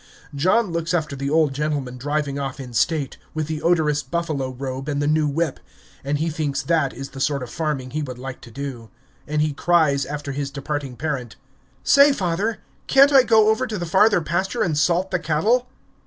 John looks after the old gentleman driving off in state, with the odorous buffalo robe and the new whip, and he thinks that is the sort of farming he would like to do. And he cries after his departing parent, "Say, father, can't I go over to the farther pasture and salt the cattle?"